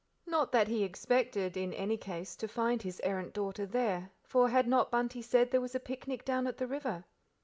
Not that he expected, in any case, to find his errant daughter there, for had not Bunty said there was a picnic down at the river?